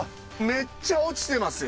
めっちゃ落ちてますよ。